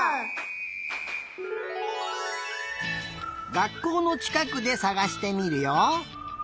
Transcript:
がっこうのちかくでさがしてみるよ。